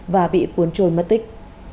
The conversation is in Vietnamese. và bị cuốn trôi mất tích